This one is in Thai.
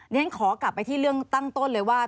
ฉันขอกลับไปที่เรื่องตั้งต้นเลยว่า